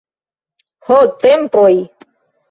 Ho, tempoj!